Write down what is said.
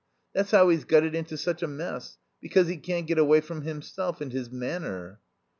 That's how he's got it into such a mess, because he can't get away from himself and his Manor."